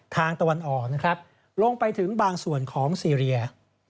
ทางตะวันออกลงไปถึงบางส่วนของซีเรีย